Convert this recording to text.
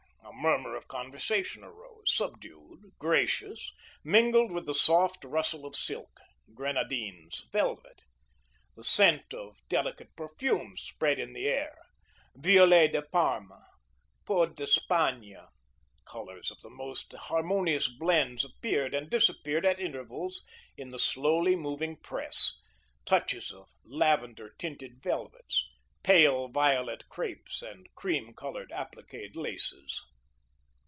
A murmur of conversation arose, subdued, gracious, mingled with the soft rustle of silk, grenadines, velvet. The scent of delicate perfumes spread in the air, Violet de Parme, Peau d'Espagne. Colours of the most harmonious blends appeared and disappeared at intervals in the slowly moving press, touches of lavender tinted velvets, pale violet crepes and cream coloured appliqued laces.